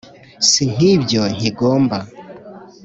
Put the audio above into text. si nk’ibyo nkigomba